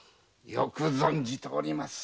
よく存じております。